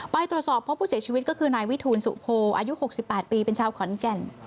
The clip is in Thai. ไปตรวจสอบพบผู้เสียชีวิตก็คือนายวิทูลสุโพอายุ๖๘ปีเป็นชาวขอนแก่น